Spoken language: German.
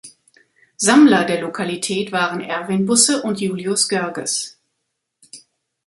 Sammler der Lokalität waren Erwin Busse und Julius Görges.